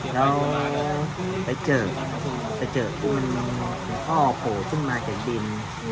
แล้วจะเจอคือมันท่อโผล่จุดมาจากดิน